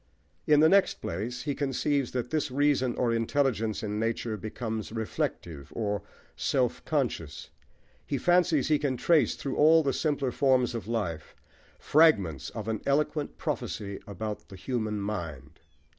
In the next place, he conceives that this reason or intelligence in nature becomes reflective, or self conscious. He fancies he can trace, through all the simpler forms of life, fragments of an eloquent prophecy about the human mind.